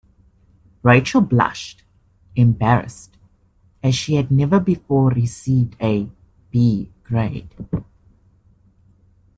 Rachel blushed, embarrassed, as she had never before received a B grade.